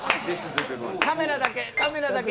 カメラだけ。